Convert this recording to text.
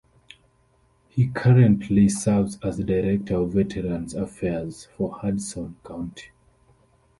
He currently serves as Director of Veterans' Affairs for Hudson County.